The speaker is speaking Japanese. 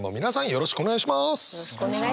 よろしくお願いします。